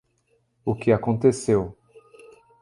O que aconteceu